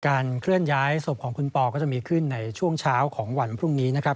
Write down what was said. เคลื่อนย้ายศพของคุณปอก็จะมีขึ้นในช่วงเช้าของวันพรุ่งนี้นะครับ